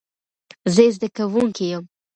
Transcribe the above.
زه زدکونکې ېم